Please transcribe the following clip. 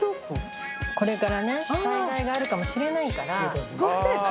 これから災害があるかもしれないから。